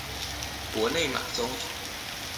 博内马宗。